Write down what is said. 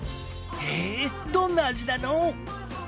へえどんな味なの？